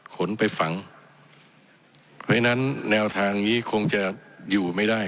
ขนไปฝังเพราะฉะนั้นแนวทางนี้คงจะอยู่ไม่ได้